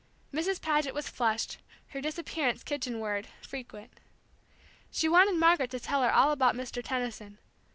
Mrs. Paget was flushed, her disappearances kitchenward frequent. She wanted Margaret to tell her all about Mr. Tenison.